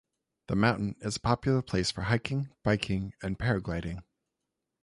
The mountain is a popular place for hiking, biking and paragliding.